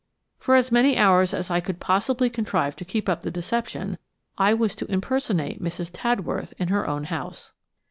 For as many hours as I could possibly contrive to keep up the deception, I was to impersonate Mrs. Tadworth in her own house.